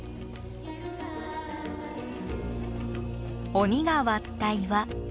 鬼が割った岩。